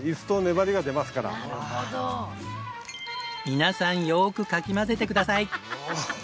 皆さんよーくかき混ぜてください！